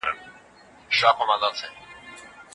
د ښوونځیو په نصاب کي د اقتصاد اساسات نه وو.